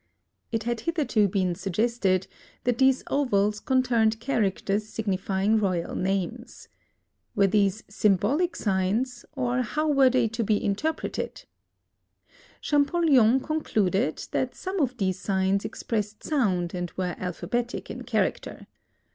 It had hitherto been suggested that these ovals contained characters signifying royal names. Were these symbolic signs, or how were they to be interpreted? Champollion concluded that some of these signs expressed sound and were alphabetic in character.